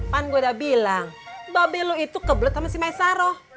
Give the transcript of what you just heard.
pan gue udah bilang babi lo itu kebelet sama si mai saro